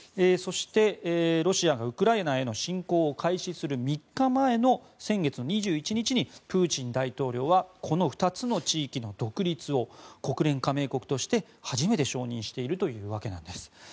そして、ロシアがウクライナへの侵攻を開始する３日前の先月２１日にプーチン大統領はこの２つの地域の独立を国連加盟国として初めて承認しているというわけなんです。